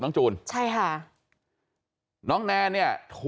กลับไปลองกลับ